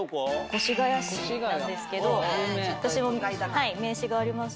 越谷市なんですけど私も名刺がありまして。